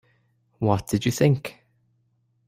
What did you think?